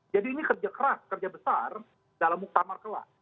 jadi ini kerja keras kerja besar dalam muktamar kelas